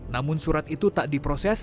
namun surat itu tak diproses